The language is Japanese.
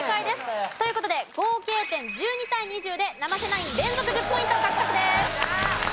という事で合計点１２対２０で生瀬ナイン連続１０ポイント獲得です！